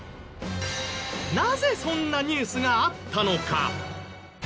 なぜそんなニュースがあったのか？